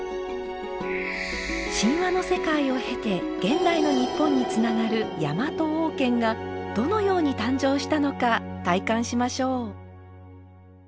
神話の世界を経て現代の日本につながるヤマト王権がどのように誕生したのか体感しましょう。